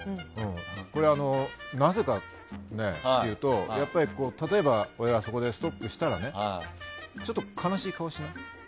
これ、なぜかというと例えば親がそこでストップしたらちょっと悲しい顔しない？